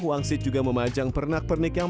wangsit juga memajang pernak pernik yang